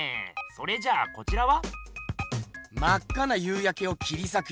それじゃあこちらは？